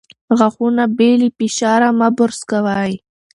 غاښونه بې له فشار مه برس کوئ.